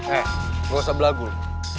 eh gue rasa belagun